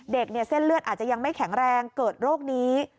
เส้นเลือดอาจจะยังไม่แข็งแรงเกิดโรคนี้